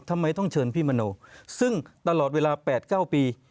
ทำไมต้องเชิญพี่มโนซึ่งตลอดเวลา๘๙ปี